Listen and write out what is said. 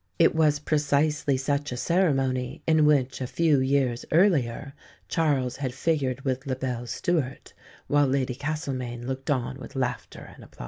It was precisely such a ceremony in which, a few years earlier, Charles had figured with La belle Stuart, while Lady Castlemaine looked on with laughter and applause.